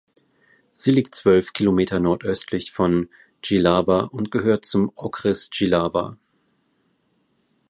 Sie liegt zwölf Kilometer nordöstlich von Jihlava und gehört zum Okres Jihlava.